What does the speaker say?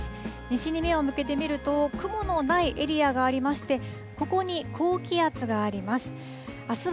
西に目を向けてみると、雲のないエリアがありまして、ここに高気圧があります。